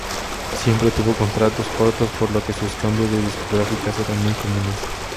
Siempre tuvo contratos cortos, por lo que sus cambios de discográficas eran muy comunes.